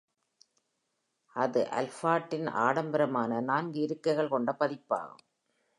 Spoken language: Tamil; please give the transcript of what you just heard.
அது Alphard-இன் ஆடம்பரமான, நான்கு இருக்கைகள் கொண்ட பதிப்பாகும்.